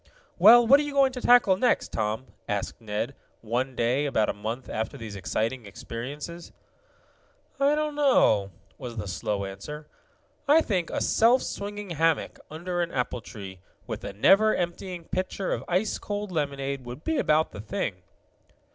"Well, what are you going to tackle next, Tom?" asked Ned, one day about a month after these exciting experiences. "I don't know," was the slow answer. "I think a self swinging hammock, under an apple tree, with a never emptying pitcher of ice cold lemonade would be about the thing."